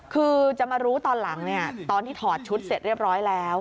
คือจะมารู้ตอนหลังตอนที่ถอดชุดเสร็จเรียบร้อยแล้ว